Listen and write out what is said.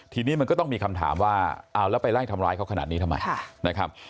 ทีนี้มันก็ต้องมีคำถามว่าเอาแล้วไปไล่ทำร้ายเขาขนาดนี้ทำไมนะครับ